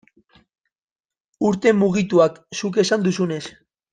Urte mugituak, zuk esan duzunez.